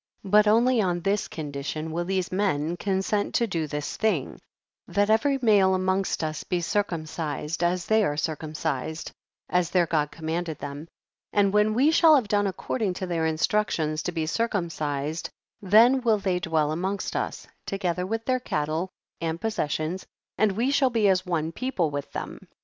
49. But only on this condition will t.he§e men consent to do this thing ; that every male amongst us be circumcised as they are circum cised, as their God commanded them, and when we shall have done accord ing to their instructions to be circum cised, then will they dwell amongst us, together with their cattle and possessions, and we shall be as one people with them.